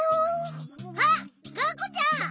あっがんこちゃん！